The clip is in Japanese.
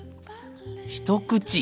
一口。